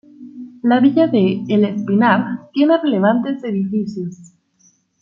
La villa de El Espinar tiene relevantes edificios.